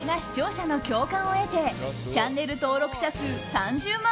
それが視聴者の共感を得てチャンネル登録者数３０万